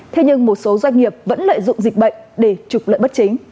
thế nhưng một số doanh nghiệp vẫn lợi dụng dịch bệnh để trục lợi bất chính